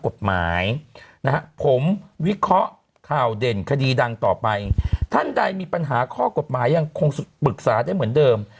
กฎหมายนะฮะผมวิเคราะห์ข่าวเด่นคดีดังต่อไปท่านใดมีปัญหาข้อกฎหมายยังคงปรึกษาได้เหมือนเดิม